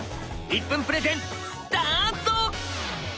１分プレゼンスタート！